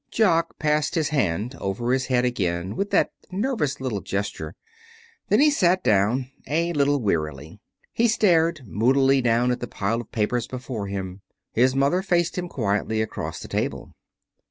Jock passed his hand over his head again with that nervous little gesture. Then he sat down, a little wearily. He stared moodily down at the pile of papers before him: His mother faced him quietly across the table.